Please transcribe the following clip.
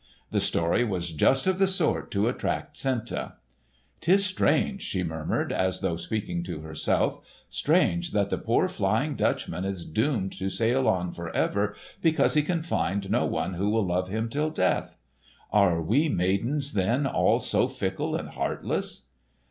The story was just of the sort to attract Senta. "'Tis strange," she murmured, as though speaking to herself, "strange that the poor Flying Dutchman is doomed to sail on forever, because he can find no one who will love him till death! Are we maidens, then, all so fickle and heartless?"